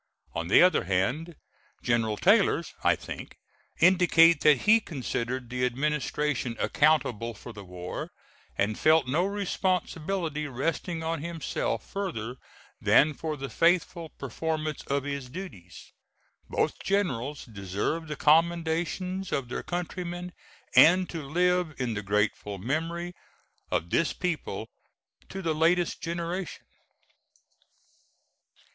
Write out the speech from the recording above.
On the other hand, General Taylor's, I think, indicate that he considered the administration accountable for the war, and felt no responsibility resting on himself further than for the faithful performance of his duties. Both generals deserve the commendations of their countrymen and to live in the grateful memory of this people to the latest generation.